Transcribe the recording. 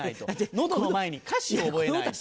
喉の前に歌詞を覚えないと。